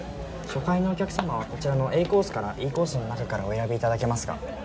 初回のお客様はこちらのＡコースからＥコースの中からお選びいただけますが。